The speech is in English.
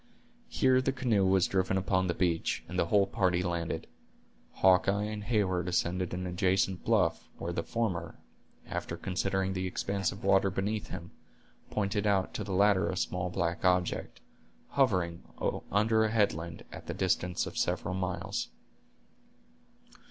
Here the canoe was driven upon the beach, and the whole party landed. Hawkeye and Heyward ascended an adjacent bluff, where the former, after considering the expanse of water beneath him, pointed out to the latter a small black object, hovering under a headland, at the distance of several miles.